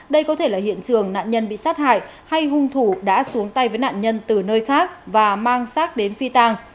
đây có thể là hiện trường nạn nhân bị sát hại hay hung thủ đã xuống tay với nạn nhân từ nơi khác và mang xác đến phi tàng